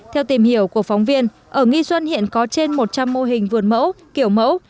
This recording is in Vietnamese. theo tìm hiểu của phóng viên ở nghi xuân hiện có trên một trăm linh mô hình vườn mẫu kiểu mẫu